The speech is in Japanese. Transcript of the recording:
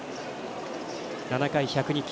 ７回、１０２球。